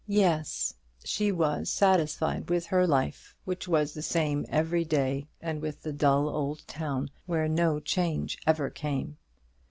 Yes; she was satisfied with her life, which was the same every day, and with the dull old town, where no change ever came.